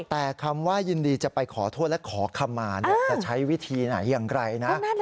แต่คำว่ายินดีจะไปขอโทษและขอคำมาจะใช้วิธีไหนอย่างไรนะ